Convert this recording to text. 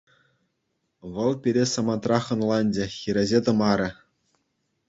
Вӑл пире самантрах ӑнланчӗ, хирӗҫсе тӑмарӗ.